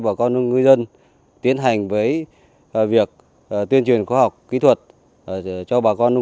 bà con nông người dân tiến hành với việc tuyên truyền khoa học kỹ thuật cho bà con nông